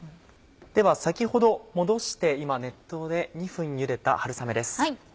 では先ほど戻して今熱湯で２分ゆでた春雨です。